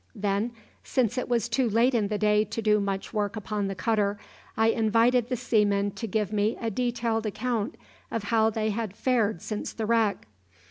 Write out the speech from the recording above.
Then, since it was too late in the day to do much work upon the cutter, I invited the seamen to give me a detailed account of how they had fared since the wreck.